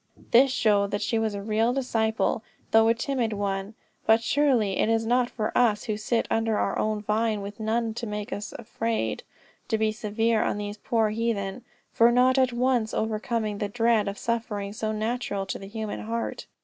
This showed that she was a real disciple, though a timid one. But surely it is not for us who sit under our own vine with none to make us afraid, to be severe on these poor heathen, for not at once overcoming the dread of suffering, so natural to the human heart!